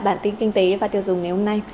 bản tin kinh tế và tiêu dùng ngày hôm nay